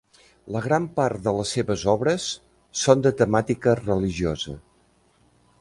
La gran part de les seves obres són de temàtica religiosa.